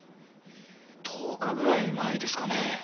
１０日ぐらい前ですかね。